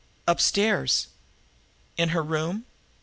"Upstairs." "In her room?"